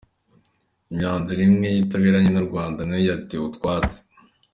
Imyanzuro imwe itaberanye n’u Rwanda na yo yatewe utwatsi .